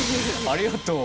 ありがとう。